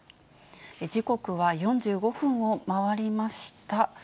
時刻は４５分を回りました。